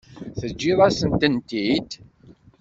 Teǧǧiḍ-asent-tent-id.